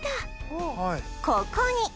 ここに